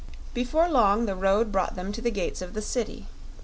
Before long the road brought them to the gates of the city.